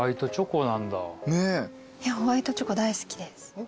ホワイトチョコ大好きです。